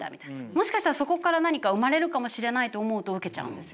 もしかしたらそこから何か生まれるかもしれないと思うと受けちゃうんですよ。